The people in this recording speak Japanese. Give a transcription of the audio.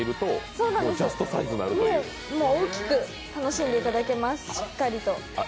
そうなんですよ、大きく楽しんでいただけます、しっかりと。